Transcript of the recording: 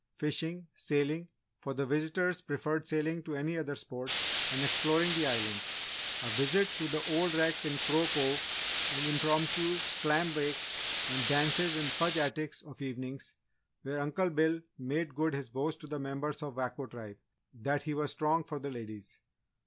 Fishing, sailing for the visitors preferred sailing to any other sport and exploring the islands; a visit to the old wreck in Crow Cove, an impromptu clam bake, and dances in Fudge Attic of evenings where Uncle Bill made good his boast to the members of Wako Tribe that he was strong for the ladies!